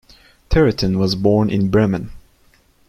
Trittin was born in Bremen.